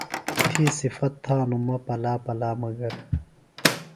تھی صِفت تھانوۡ مہ پلا پلا مگر۔